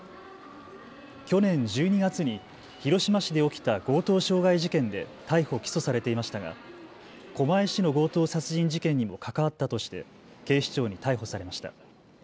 去年１２月に広島市で起きた強盗傷害事件で逮捕・起訴されていましたが狛江市の強盗殺人事件にも関わったとして警視庁に逮捕されました。